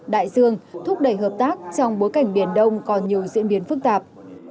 đại dương thúc đẩy hợp tác trong bối cảnh biển đông còn nhiều diễn biến phức tạp